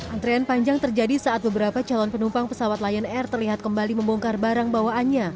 antrian panjang terjadi saat beberapa calon penumpang pesawat lion air terlihat kembali membongkar barang bawaannya